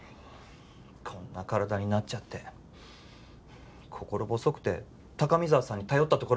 こんな体になっちゃって心細くて高見沢さんに頼ったところはあったわよ。